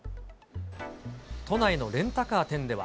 都内のレンタカー店では。